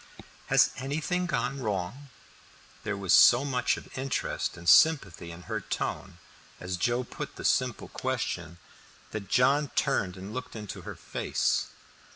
"Has anything gone wrong?" There was so much of interest and sympathy in her tone, as Joe put the simple question, that John turned and looked into her face.